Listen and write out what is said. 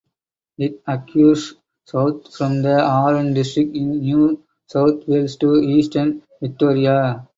It occurs south from the Orange district in New South Wales to eastern Victoria.